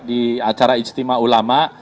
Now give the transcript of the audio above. di acara ijtima ulama